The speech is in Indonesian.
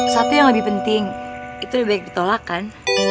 satu yang lebih penting itu lebih baik ditolakkan